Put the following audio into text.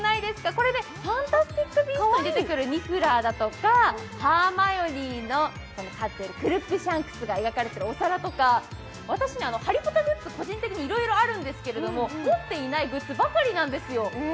これ、「ファンタスティック・ビースト」に出てくるものとか、ハーマイオニーの飼ってるクルックシャンクスが描かれているお皿とか、私、ハリポタグッズ、個人的にいろいろ持ってるんですが、持ってないグッズばかりなんですよ。